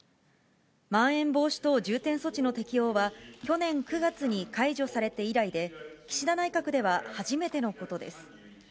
まん延防止等重点措置の適用は、去年９月に解除されて以来で、岸田内閣では初めてのことです。